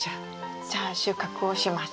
じゃあ収穫をします。